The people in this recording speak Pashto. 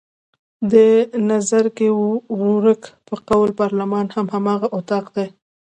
د نظرګي ورورک په قول پارلمان هم هماغه اطاق دی.